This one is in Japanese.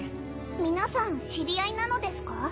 皆さん知り合いなのですか？